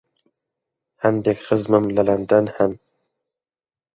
هەندێک خزمم لە لەندەن هەن.